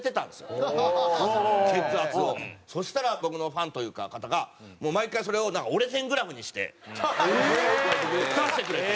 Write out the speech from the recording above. そしたら僕のファンというか方が毎回それを折れ線グラフにして出してくれて。